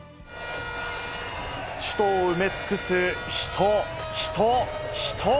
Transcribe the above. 首都を埋め尽くす人、人、人。